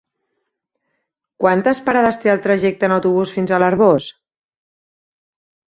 Quantes parades té el trajecte en autobús fins a l'Arboç?